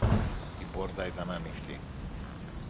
Η πόρτα ήταν ανοιχτή.